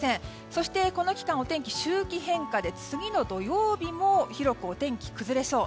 そしてこの期間、お天気は周期変化で次の土曜日も広くお天気崩れそう。